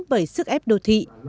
bởi sức ép đô thị